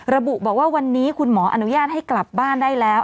ระบุบอกว่าวันนี้คุณหมออนุญาตให้กลับบ้านได้แล้ว